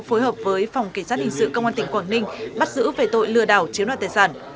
phối hợp với phòng kể sát hình sự công an tỉnh quảng ninh bắt giữ về tội lừa đảo chiếm đoạt tài sản